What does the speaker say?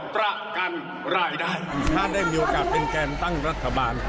ถ้าได้มีโอกาสเป็นแกนตั้งรัฐบาล